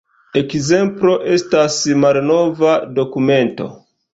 Ekzemplo estas malnova dokumento.